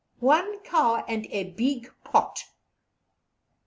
One cow and a big pot."